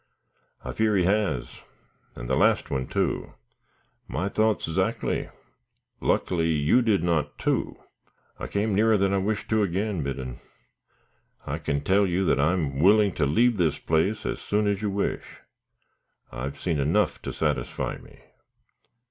"I fear he has, and the last one, too." "My thoughts 'zactly. Luckily you did not, too." "I came nearer than I wish to again, Biddon. I can tell you, that I am willing to leave this place as soon as you wish; I've seen enough to satisfy me."